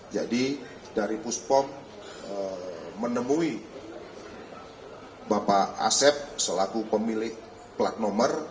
jadi dari puspom menemui bapak asep selaku pemilik plat nomor